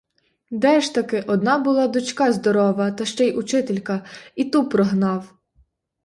Де ж таки, одна була дочка здорова, та ще й учителька, і ту прогнав.